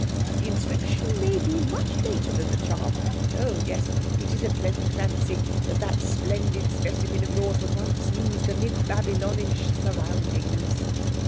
The inscription may be much later than the charm. Oh yes! it is a pleasant fancy, that that splendid specimen of yours was once used amid Babylonish surroundings."